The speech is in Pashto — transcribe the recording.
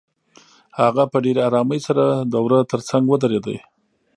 هغه په ډېرې آرامۍ سره د وره تر څنګ ودرېده.